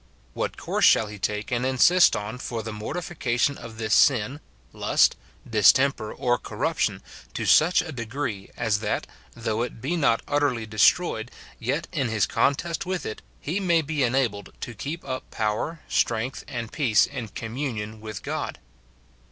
what course shall he take and insist on for the mor tification of this sin, lust, distemper, or corruption, BIN IN BELIEVERS. 183 to SUcTi a degree as that, though it be not utterly de stroyed, yet, in his contest with it, he may be enabled to keep up power, strength, and peace in communion mth God